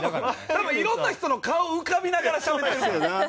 多分色んな人の顔浮かびながらしゃべってた。